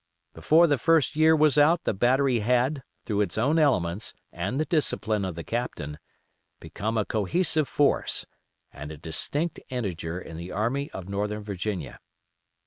Before the first year was out the battery had, through its own elements, and the discipline of the Captain, become a cohesive force, and a distinct integer in the Army of Northern Virginia.